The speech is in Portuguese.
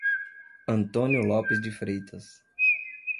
Antônio Lopes de Freitas